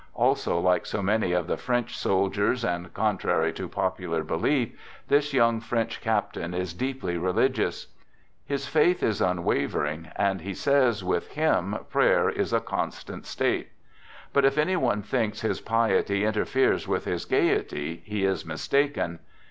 Also like so many of the French soldiers, and contrary to popular belief, this young French cap tain is deeply religious. His faith is unwavering, and he says with him prayer is a " constant state." But if any one thinks his piety interferes with his gayety, he is mistaken.